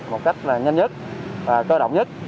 một cách là nhanh nhất và cơ động nhất